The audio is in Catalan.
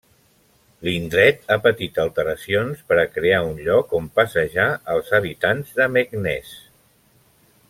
L'indret ha patit alteracions per a crear un lloc on passejar els habitants de Meknès.